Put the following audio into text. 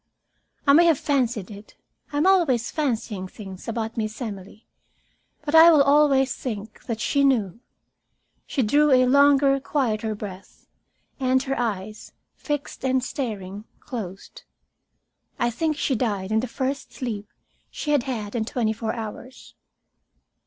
I may have fancied it I am always fancying things about Miss Emily but I will always think that she knew. She drew a longer, quieter breath, and her eyes, fixed and staring, closed. I think she died in the first sleep she had had in twenty four hours.